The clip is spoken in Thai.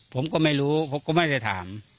ผมก็ไม่รู้ผมก็ไม่ได้ถาม